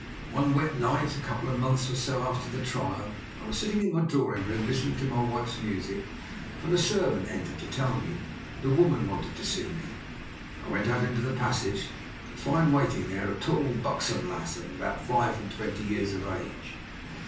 "One wet night, a couple of months or so after the trial, I was sitting in my drawing room listening to my wife's music, when a servant entered to tell me that a woman wanted to see me. I went out into the passage to find waiting there a tall buxom lass of about five and twenty years of age.